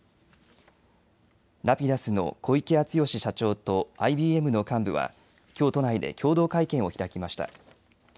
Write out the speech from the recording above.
Ｒａｐｉｄｕｓの小池淳義社長とＩＢＭの幹部はきょう都内で共同会見を開きました。